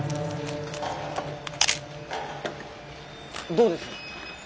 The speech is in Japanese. どうです？